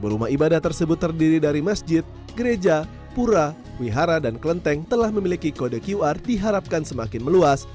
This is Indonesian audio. sepuluh rumah ibadah tersebut terdiri dari masjid gereja pura wihara dan kelenteng telah memiliki kode qr diharapkan semakin meluas